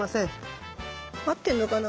合ってんのかな？